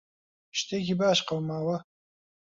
شتێکی باش قەوماوە؟